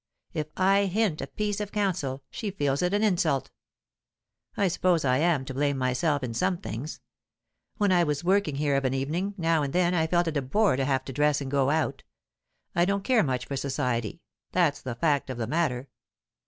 If I hint a piece of counsel, she feels it an insult. I suppose I am to blame myself, in some things. When I was working here of an evening, now and then I felt it a bore to have to dress and go out. I don't care much for society, that's the fact of the matter.